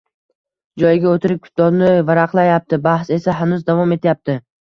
Joyiga o`tirib kitobni varaqlayapti, bahs esa hanuz davom etayapti